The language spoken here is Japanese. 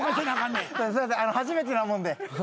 初めてなもんで。